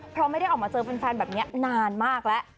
เพราะไม่ได้ออกมาเจอแฟนแบบนี้นานมากแล้ว